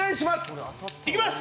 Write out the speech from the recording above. いきます！